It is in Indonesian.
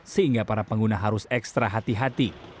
sehingga para pengguna harus ekstra hati hati